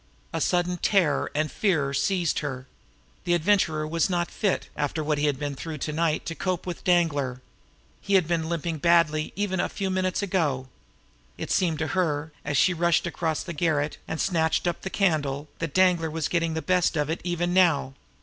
A sudden terror and fear seized her. The Adventurer was not fit, after what he had been through to night to cope with Danglar. He had been limping badly even a few minutes ago. It seemed to her, as she rushed across the garret and snatched up the candle, that Danglar was getting the best of it even now.